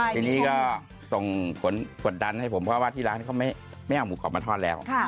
ทีนี้ก็ส่งกดดันให้ผมเพราะว่าที่ร้านเขาไม่เอาหมูกรอบมาทอดแล้ว